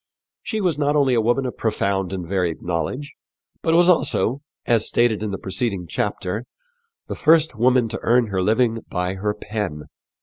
She was not only a woman of profound and varied knowledge, but was also, as stated in the preceding chapter, the first woman to earn her living by her pen.